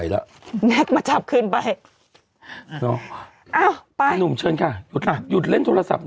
แล้วแน็ตมาจับขึ้นไปเอ้าไปท่านหนุ่มเชิญค่ะหยุดเล่นโทรศัพท์